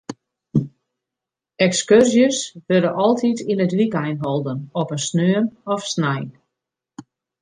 Ekskurzjes wurde altyd yn it wykein holden, op in sneon of snein.